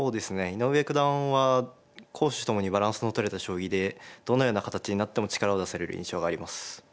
井上九段は攻守ともにバランスの取れた将棋でどのような形になっても力を出される印象があります。